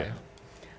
belum tentu iya